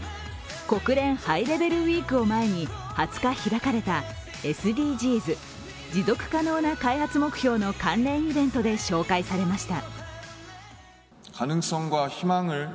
国連ハイレベルウイークを前に２０日開かれたＳＤＧｓ＝持続可能な開発目標の関連イベントで紹介されました。